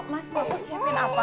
mas aku siapin apa